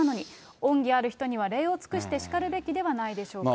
恩義ある人には礼を尽くしてしかるべきではないでしょうか。